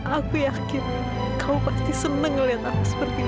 aku yakin kau pasti senang melihat aku seperti ini